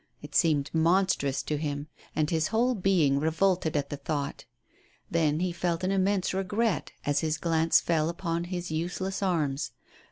It seemed monstrous to him, and his ivhole being revolted at the thought. Then he felt an immense regret as his glance fell upon his use less arms.